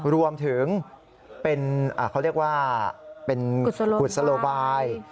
รวมถึงเป็นเขาเรียกว่าเป็นกุศโลบาย